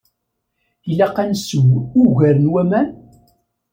Ilaq ad nsew ugar n waman?